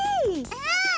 うん！